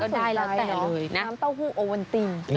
ก็ได้แล้วแต่เลยน้ำเต้าหู้โอวันติ้น